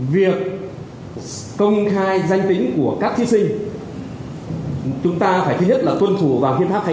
việc công khai danh tính của các thí sinh